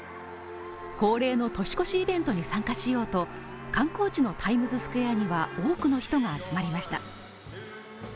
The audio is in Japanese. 恒例の年越しイベントに参加しようと観光地のタイムズスクエアには多くの人が集まりました。